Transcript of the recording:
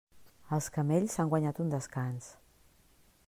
Els camells s'han guanyat un descans.